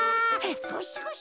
ゴシゴシ。